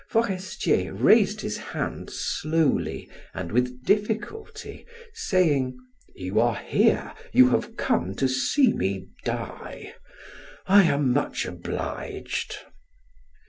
Forestier raised his hand slowly and with difficulty, saying: "You are here; you have come to see me die. I am much obliged."